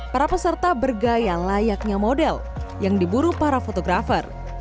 para peserta bergaya layaknya model yang diburu para fotografer